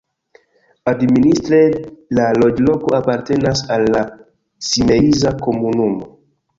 Administre la loĝloko apartenas al la Simeiza komunumo.